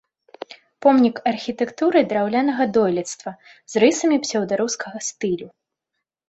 Помнік архітэктуры драўлянага дойлідства з рысамі псеўдарускага стылю.